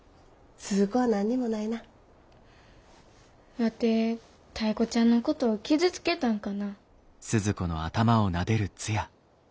ワテタイ子ちゃんのこと傷つけたんかな。